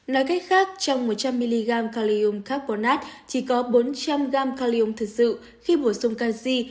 nói cách khác trong một trăm linh mg calium carbonas chỉ có bốn trăm linh gram calium thực sự khi bổ sung canxi